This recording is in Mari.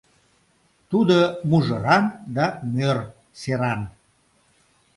Тудо мужыран да мӧр серан.